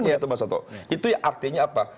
begitu mas toto itu artinya apa